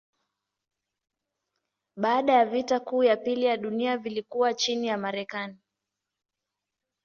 Baada ya vita kuu ya pili ya dunia vilikuwa chini ya Marekani.